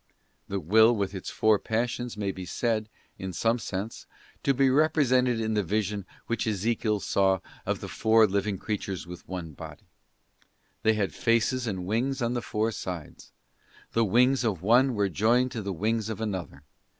The Will with its four Passions may be said, in some sense, to be represented in the vision which Ezechiel saw of the four living creatures with one body; 'They had faces and wings on the four sides. And the wings of one were joined to the wings of another.